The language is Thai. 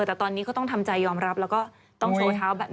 แต่ตอนนี้ก็ต้องทำใจยอมรับแล้วก็ต้องโชว์เท้าแบบนี้